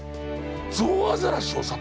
ゾウアザラシをさ